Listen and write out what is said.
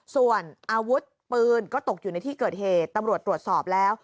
ส่วนอาวุธปืนก็ตกอยู่ในที่เกิดเหตุตำรวจตรวจสอบแล้ว